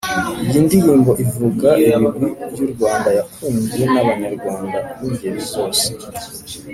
Iyi ndirimbo ivuga ibigwi by'u Rwanda yakunzwe n'abanyarwanda b'ingeri zose